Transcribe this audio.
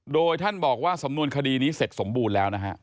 โดยท่านบอกว่าสำนวนคดีนี้เสร็จสมบูรณ์แล้วนะฮะ